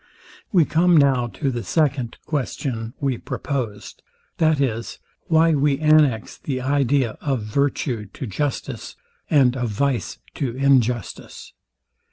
We come now to the second question we proposed, viz. Why we annex the idea of virtue to justice, and of vice to injustice.